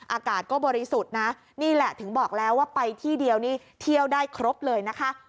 อากาศก็บริสุทธิ์นะนี่แหละถึงบอกแล้วว่าไปที่เดียวนี่เที่ยวได้ครบเลยนะคะ